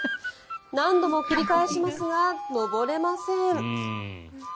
何度も繰り返しますが上れません。